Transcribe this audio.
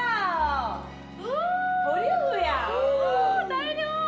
大量！